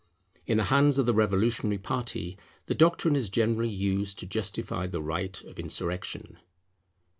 In the hands of the revolutionary party the doctrine is generally used to justify the right of insurrection.